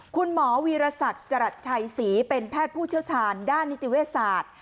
คุณหมอวีรศักดิ์จรัสชัยศรีเป็นแพทย์ผู้เชี่ยวชาญด้านนิติเวศาสตร์